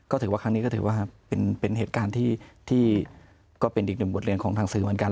ก็ถือว่าครั้งนี้ก็ถือว่าเป็นเหตุการณ์ที่ก็เป็นอีกหนึ่งบทเรียนของทางสื่อเหมือนกัน